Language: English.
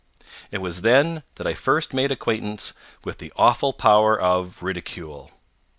It was then that I first made acquaintance with the awful power of ridicule.